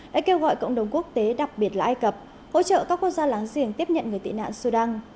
đã kêu gọi cộng đồng quốc tế đặc biệt là ai cập hỗ trợ các quốc gia láng giềng tiếp nhận người tị nạn sudan